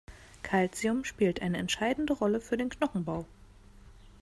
Calcium spielt eine entscheidende Rolle für den Knochenbau.